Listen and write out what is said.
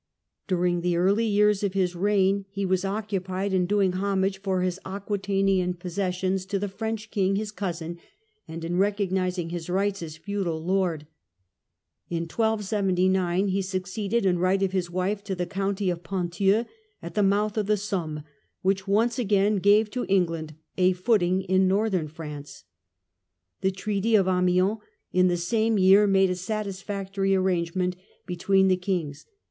During the early years of his reign he was occupied in doing homage for his Aquitanian possessions to the Edward's French king, his cousin, and in recognizing foreign poUcy. j^jg nghts as feudal lord. In 1279 he suc ceeded in right of his wife to the county of Ponthieu, at the mouth of the Somme, which once again gave to Eng land a footing in northern France. The Treaty of Amiens in the same year made a satisfactory arrangement between the kings.